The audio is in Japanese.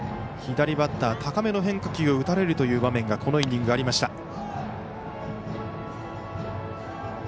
左バッター、高めの変化球を打たれるという場面がこのイニング、ありました。